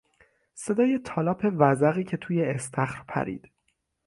صدای تالاپ وزغی که توی استخر پرید